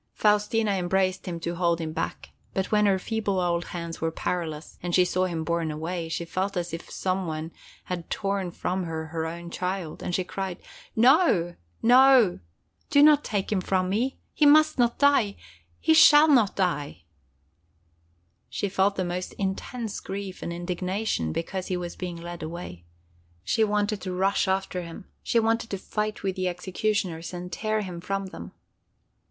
Faustina embraced him to hold him back, and when her feeble old hands were powerless and she saw him borne away, she felt as if some one had torn from her her own child, and she cried: "No, no! Do not take him from me! He must not die! He shall not die!" She felt the most intense grief and indignation because he was being led away. She wanted to rush after him. She wanted to fight with the executioners and tear him from them.